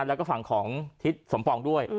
แล้วก็ฝั่งของทิศสมปองด้วย